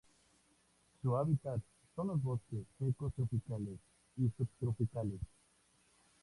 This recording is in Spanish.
Su hábitat son los bosques secos tropicales y subtropicales.